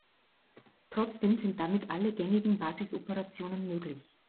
Trotzdem sind damit alle gängigen Basisoperationen möglich.